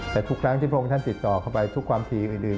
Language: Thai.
แต่ทุกครั้งที่พระองค์ท่านติดต่อเข้าไปทุกความทีอื่น